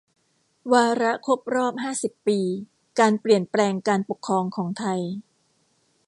วาระครบรอบห้าสิบปี การเปลี่ยนแปลงการปกครองของไทย